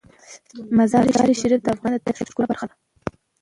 مزارشریف د افغانستان د طبیعت د ښکلا برخه ده.